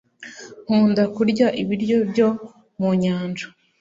nkunda kurya ibiryo byo mu nyanja